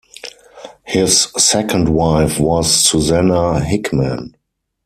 His second wife was Susannah Hickman.